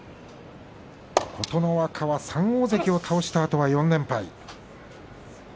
琴ノ若は３大関倒したあとは４連敗。